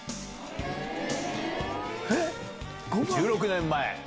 １６年前。